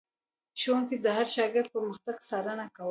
ښوونکي د هر شاګرد پرمختګ څارنه کوله.